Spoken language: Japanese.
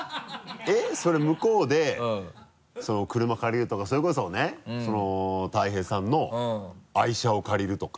えっそれ向こうで車借りるとかそれこそね大平さんの愛車を借りるとか。